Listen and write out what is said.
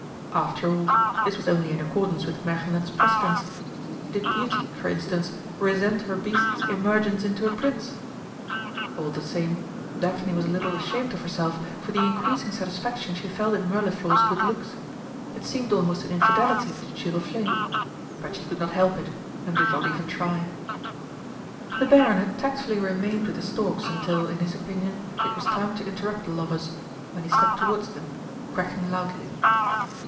After all, this was only in accordance with Märchenland's precedents. Did Beauty, for instance, resent her Beast's emergence into a Prince? All the same, Daphne was a little ashamed of herself for the increasing satisfaction she felt in Mirliflor's good looks it seemed almost an infidelity to Giroflé but she could not help it, and did not even try. The Baron had tactfully remained with the storks until, in his opinion, it was time to interrupt the lovers, when he stepped towards them, cracking loudly.